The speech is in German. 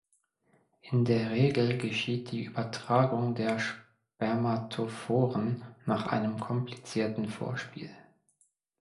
In der Regel geschieht die Übertragung der Spermatophoren nach einem komplizierten Vorspiel.